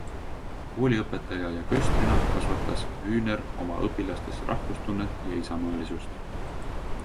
Kooliõpetaja ja köstrina kasvatas Wühner oma õpilastes rahvustunnet ja isamaalisust.